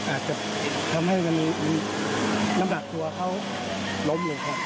อาจจะทำให้มันน้ำหนักตัวเขาล้มเลยครับ